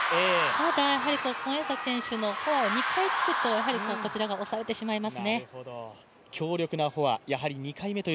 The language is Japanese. ただ孫エイ莎選手のフォアを２回突くと、やはりこちらが押さえれてしまいますね。